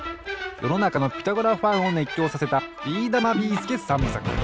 よのなかの「ピタゴラ」ファンをねっきょうさせたビーだま・ビーすけ３ぶさく。